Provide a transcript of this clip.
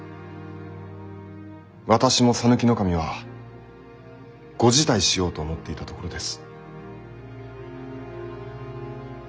私も讃岐守はご辞退しようと思っていたところです。